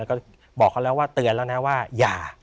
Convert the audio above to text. แล้วก็บอกเขาแล้วว่าเตือนแล้วนะว่าอย่า